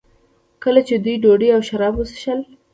کله چې دوی ډوډۍ او شراب وڅښل.